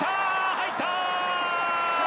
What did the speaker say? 入った！